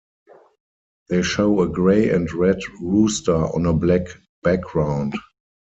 They show a gray and red rooster on a black background.